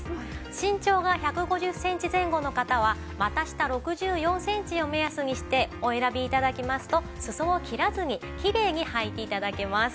身長が１５０センチ前後の方は股下６４センチを目安にしてお選び頂きますと裾を切らずにきれいにはいて頂けます。